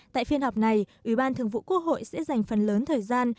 tại phiên họp này ủy ban thường vụ quốc hội sẽ dành phần lớn thời gian